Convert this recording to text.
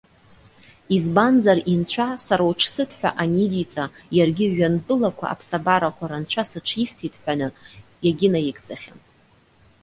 Избанзар, Инцәа:- Сара уҽсыҭ,- ҳәа анидиҵа, иаргьы Жәҩантәылақәа аԥсабарақәа рынцәа сыҽисҭеит ҳәаны, иагьынаигӡахьан.